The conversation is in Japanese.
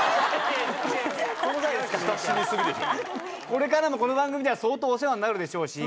これからもこの番組では相当お世話になるでしょうし。